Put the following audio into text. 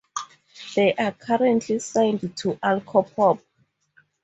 They are currently signed to Alcopop!